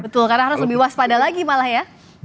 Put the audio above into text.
betul karena harus lebih waspada lagi malah ya